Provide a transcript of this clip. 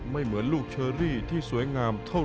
ไม่เหมือนลูกเชอรี่ที่สวยงามเท่าไหร่นะ